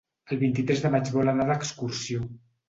El vint-i-tres de maig vol anar d'excursió.